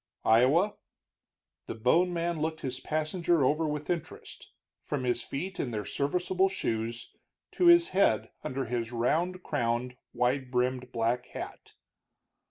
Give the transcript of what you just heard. "Iowa." The bone man looked his passenger over with interest, from his feet in their serviceable shoes, to his head under his round crowned, wide brimmed black hat.